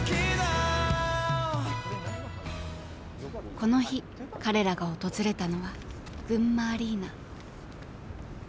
この日彼らが訪れたのはぐんまアリーナ。